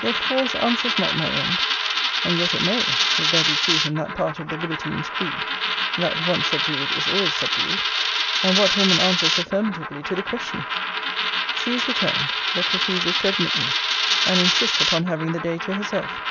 Yet force answers not my end and yet it may, if there be truth in that part of the libertine's creed, That once subdued, is always subdued! And what woman answers affirmatively to the question? She is returned: But refuses to admit me: and insists upon having the day to herself.